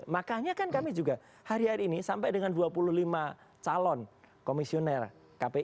makanya kan kami juga hari hari ini sampai dengan dua puluh lima calon komisioner kpi yang kita undang